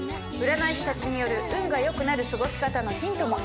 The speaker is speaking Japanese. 占い師たちによる運が良くなる過ごし方のヒントも！